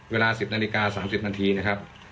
เวลา๑๐น๓๐นนะครับ